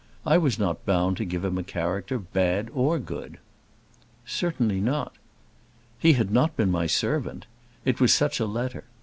I was not bound to give him a character, bad or good." "Certainly not." "He had not been my servant. It was such a letter.